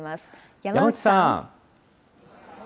山内さん。